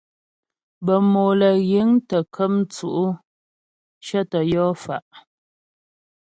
Bə́ mòm lə́ yiŋ tə́ kəm tsʉ̌' cyətə yɔ fa'.